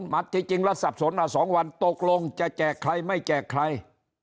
ที่จริงแล้วสับสนมา๒วันตกลงจะแจกใครไม่แจกใคร